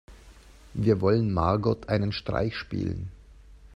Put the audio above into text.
Wir wollen Margot einen Streich spielen.